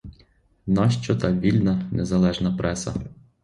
Нащо та вільна, незалежна преса?